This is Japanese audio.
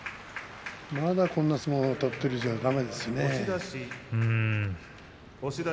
まだこんな相撲を取っているようじゃだめですね。